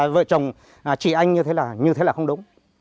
vợ chồng chị anh như thế là không đúng